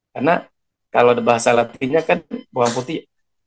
karena kalau ada bahasa latinnya kan bawang putih